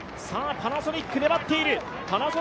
パナソニック粘っている。